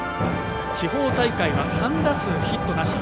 地方大会は３打数ヒットなし。